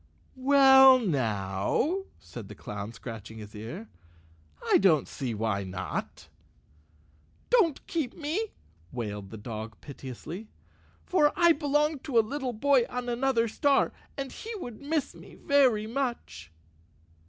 "Well, now," said the clown, scratching his ear, "I don't see why not." "Don't keep me," wailed the dog piteously, "for I belong to a little boy on another star, and he would miss me very much."